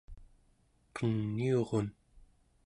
qeniurun